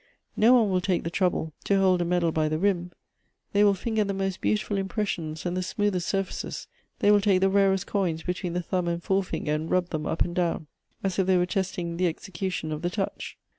No one will take the trouble to hold a medal by the rim. They will finger the moft beautiful impressions, and the smoothest surfaces; they will take the rarest coins between the thumb and forefinger, and rub them up and down, as if they Electivb Affinities. 207 were testing the execution of the touch.